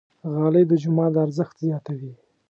غالۍ د جومات ارزښت زیاتوي.